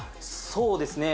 そうですね